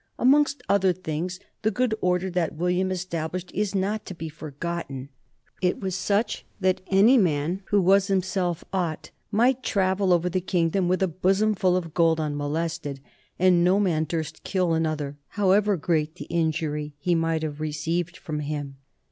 Amongst other things the good order that William established is not to be forgotten ; it was such that any man, who was himself aught, might travel over the kingdom with a bosom full of gold unmo lested; and no man durst kill another, however great the injury he might have received from him.